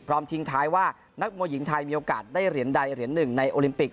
ทิ้งท้ายว่านักมวยหญิงไทยมีโอกาสได้เหรียญใดเหรียญหนึ่งในโอลิมปิก